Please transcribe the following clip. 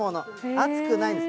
熱くないんです。